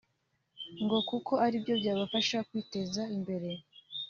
ngo kuko aribyo byabafasha kwiteza imbere